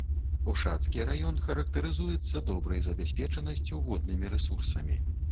Ушацкі раён характарызуецца добрай забяспечанасцю воднымі рэсурсамі.